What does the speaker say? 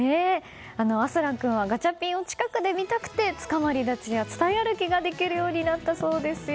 アスラン君はガチャピンを近くで見たくてつかまり立ちや伝い歩きができるようになったそうですよ。